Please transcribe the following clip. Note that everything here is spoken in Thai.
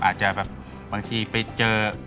อาจจะแบบบางทีไปเจอ